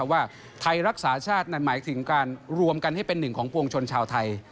ว่าไทยรักษาชาตินั้นหมายถึงการรวมกันให้เป็นหนึ่งของปวงชนชาวไทย